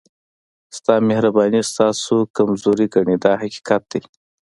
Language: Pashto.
ستا مهرباني ستاسو کمزوري ګڼي دا حقیقت دی.